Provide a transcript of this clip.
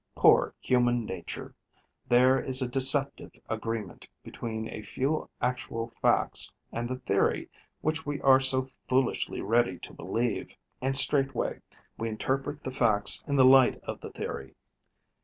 Poor human nature! There is a deceptive agreement between a few actual facts and the theory which we are so foolishly ready to believe; and straightway we interpret the facts in the light of the theory.